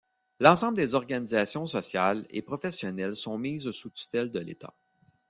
L'ensemble des organisations sociales et professionnelles sont mises sous tutelle de l’État.